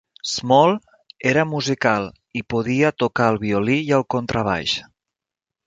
Small era musical i podia tocar el violí i el contrabaix.